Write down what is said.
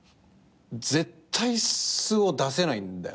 絶対素を出せないんだよ